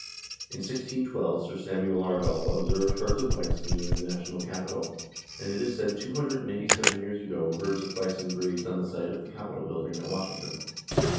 In 1612 Sir Samuel Argall observed herds of bison near the national capital, and, it is said, two hundred and eighty seven years ago herds of bison grazed on the site of the capitol building at Washington.